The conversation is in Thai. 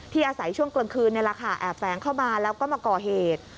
ที่อาศัยช่วงกลางคืนแอบแฟ้งเข้ามาแล้วก็มาก่อเหตุ